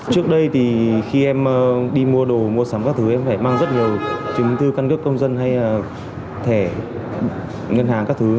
trước đây thì khi em đi mua đồ mua sắm các thứ em phải mang rất nhiều chứng tư căn cước công dân hay là thẻ ngân hàng các thứ